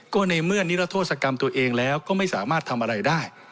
ก็ในเมื่อนิรโทษกรรมตัวเองแล้วก็ไม่สามารถทำอะไรได้